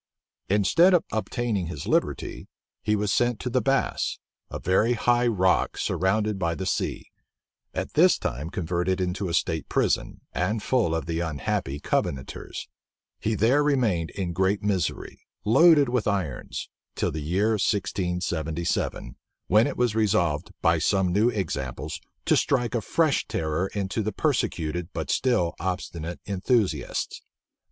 Instead of obtaining his liberty, he was sent to the Bass, a very high rock surrounded by the sea; at this time converted into a state prison, and full of the unhappy Covenanters, He there remained in great misery, loaded with irons, till the year 1677, when it was resolved, by some new examples, to strike a fresh terror into the persecuted but still obstinate enthusiasts.